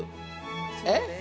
えっ？